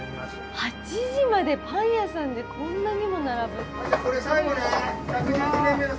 ８時までパン屋さんでこんなにも並ぶ。